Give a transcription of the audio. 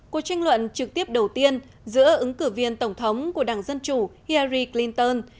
cuộc tranh luận trực tiếp đầu tiên giữa ứng cử viên tổng thống của đảng dân chủ hiary clinton